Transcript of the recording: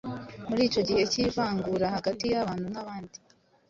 Muri icyo gihe cy’ivangura hagati y’abantu n’abandi,